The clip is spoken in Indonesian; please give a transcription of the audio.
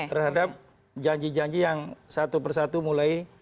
terhadap janji janji yang satu persatu mulai